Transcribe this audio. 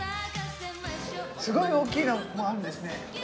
すごい大きいのもあるんですね。